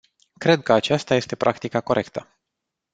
Cred că aceasta este practica corectă.